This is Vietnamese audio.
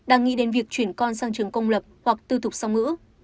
đang nghĩ đến việc chuyển con sang trường công lập hoặc tư thục song ngữ